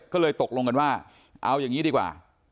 ก็เลยตกลงกันว่าเอาอย่างนี้ดีกว่า